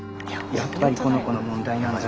やっぱりこの子の問題なんだ。